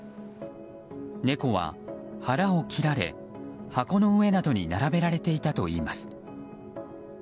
猫は腹を切られ、箱の上などに並べられていたといいます。